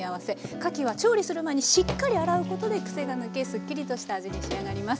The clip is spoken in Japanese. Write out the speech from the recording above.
かきは調理する前にしっかり洗うことでクセが抜けすっきりとした味に仕上がります。